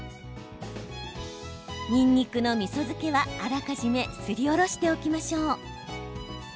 にんにくのみそ漬けはあらかじめすりおろしておきましょう。